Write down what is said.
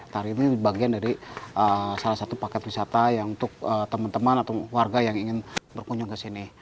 tari ini bagian dari salah satu paket wisata yang untuk teman teman atau warga yang ingin berkunjung ke sini